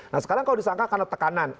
nah sekarang kalau disangka karena tekanan